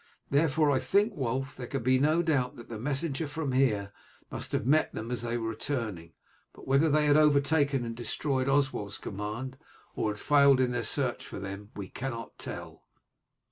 Therefore I think, Wulf, there can be no doubt that the messenger from here must have met them as they were returning; but whether they had overtaken and destroyed Oswald's command, or had failed in their search for them, we cannot tell."